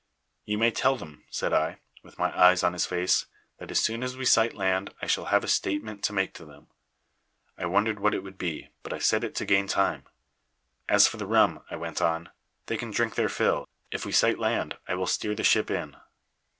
"'You may tell them,' said I, with my eyes on his face, 'that as soon as we sight land I shall have a statement to make to them.' I wondered what it would be; but I said it to gain time. 'As for the rum,' I went on, 'they can drink their fill. If we sight land, I will steer the ship in.'